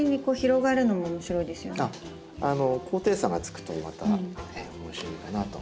高低差がつくとまた面白いかなと。